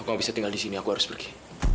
aku gak bisa tinggal di sini aku harus pergi